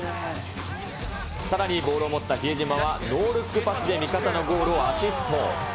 さらにボールを持った比江島はノールックパスで味方のゴールをアシスト。